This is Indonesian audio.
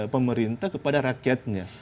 pemerintah kepada rakyatnya